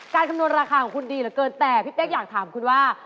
คำนวณราคาของคุณดีเหลือเกินแต่พี่เป๊กอยากถามคุณว่า